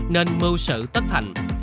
nên mưu sự tất thành